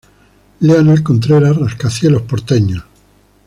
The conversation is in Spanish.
Leonel Contreras "Rascacielos porteños".